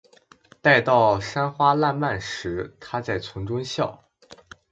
待到山花烂漫时，她在丛中笑。